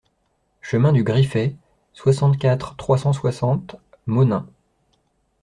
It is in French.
Chemin du Griffet, soixante-quatre, trois cent soixante Monein